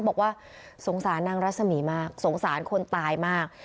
บอกว่าสงสารนางรัศมีมากสงสารคนตายมาก